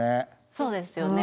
そうですよね。